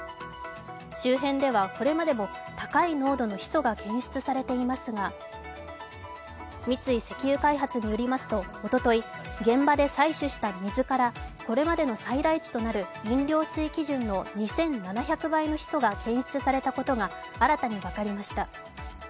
周辺ではこれまでも高い濃度のヒ素が検出されていますが三井石油開発によりますとおととい、現場で採取した水からこれまでの最大値となる飲料水基準の２７００倍のヒ素が検出されたことが新たに分かりました。